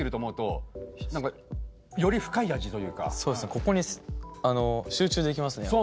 ここに集中できますねやっぱ。